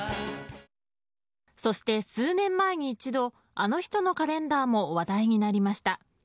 そして、数年前に一度あの人のカレンダーも話題になりました。